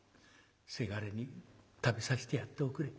「倅に食べさせてやっておくれ」。